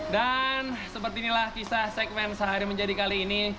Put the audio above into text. dan seperti inilah kisah segmen sehari menjadi kali ini